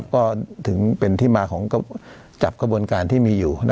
ก็ถึงเป็นที่มาของจับกระบวนการที่มีอยู่